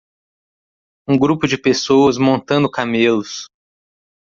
Um grupo de pessoas montando camelos.